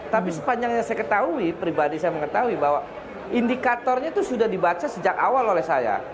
tapi sepanjang yang saya ketahui pribadi saya mengetahui bahwa indikatornya itu sudah dibaca sejak awal oleh saya